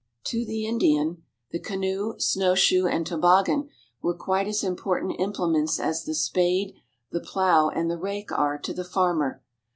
] To the Indian the canoe, snow shoe, and toboggan were quite as important implements as the spade, the plough, and the rake are to the farmer.